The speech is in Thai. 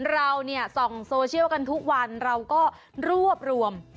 เราเนี่ยส่องโซเชียลกันทุกวันเราก็รวบรวม